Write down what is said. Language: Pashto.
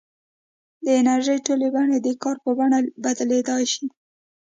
د انرژۍ ټولې بڼې د کار په بڼه بدلېدای شي.